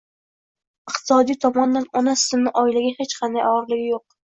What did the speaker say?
Iqtisodiy tomondan ona sutining oilaga hech qanday og‘irligi yo‘q.